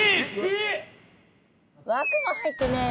枠も入ってねえよ。